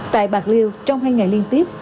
tại bạc liêu trong hai ngày liên tiếp